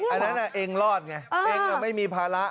อันนั้นเองรอดไงเองไม่มีภาระ